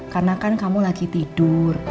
karena kan kamu lagi tidur